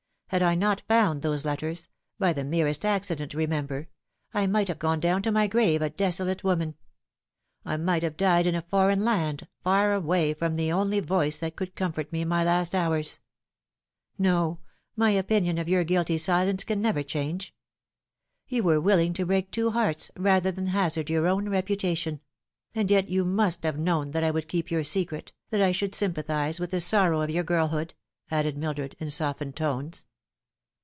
Had I not found those letters by the merest accident, remember I might have gone down to my grave a desolate woman. I might have died in a foreign land, far away from the only voice that could comfort me in my last hours. No ; my opinion of your guilty silence can never change. You were willing to break two hearts rather than hazard your own reputation ; and yet you must have known that I would keep your secret, that I should sympathise with the sorrow of your girlhood," added Mildred, in softened tones.